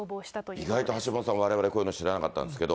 意外と橋下さん、われわれ、こういうの知らなかったんですけど。